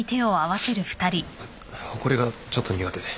ほこりがちょっと苦手で。